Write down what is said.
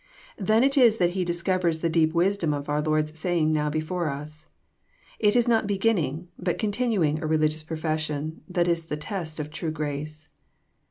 Then it is that he discovers the deep wisdom of our Lord's saying now before us. It is not beginning, but continuing '* a religious profession, that is the test of true grace.